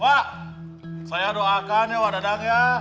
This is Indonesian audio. pak saya doakan ya wadadak ya